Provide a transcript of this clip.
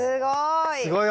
すごい。